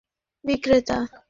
এই যে, রেডিও বিক্রেতা।